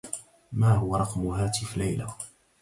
ما هو رقم هاتف ليلى؟